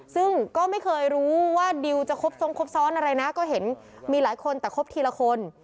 ซึ่งก็ไม่เคยรู้ว่าดิวจะครบทรงครบซ้อนอะไรนะก็เห็นมีหลายคนแต่ครบทีละคน